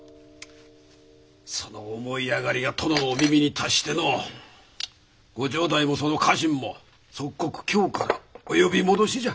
その思い上がりが殿のお耳に達してのう御城代もその家臣も即刻京からお呼び戻しじゃ。